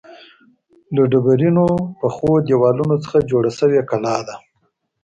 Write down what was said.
له ډبرینو پخو دیوالونو څخه جوړه شوې کلا ده.